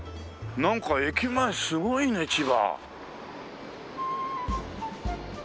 なんか駅前すごいね千葉。